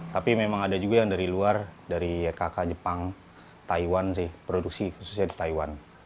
tapi memang ada juga yang dari luar dari ykk jepang taiwan sih produksi khususnya di taiwan